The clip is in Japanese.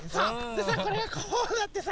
でさこれがこうなってさ。